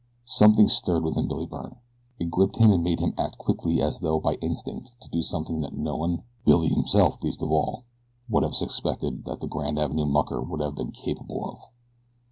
Something stirred within Billy Byrne. It gripped him and made him act quickly as though by instinct to do something that no one, Billy himself least of all, would have suspected that the Grand Avenue mucker would have been capable of.